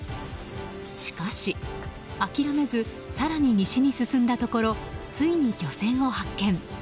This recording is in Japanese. しかし、諦めず更に西に進んだところついに漁船を発見。